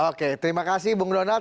oke terima kasih bung donald